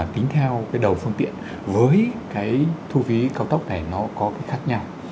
tính theo cái đầu phương tiện với cái thu phí cao tốc này nó có cái khác nhau